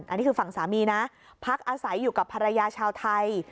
อันนี้คือฝั่งสามีนะพักอาศัยอยู่กับภรรยาชาวไทย